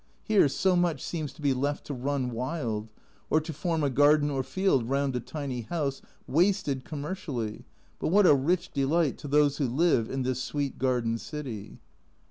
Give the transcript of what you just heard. Here so much seems to be left to run wild, or to form a garden or field round a tiny house wasted commercially but what a rich delight to those who live in this sweet garden city